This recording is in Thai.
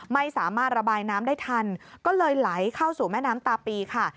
ไม่สามารถระบายน้ำได้ทันก็เลยไหลเข้าสู่แม่น้ำตาปีค่ะ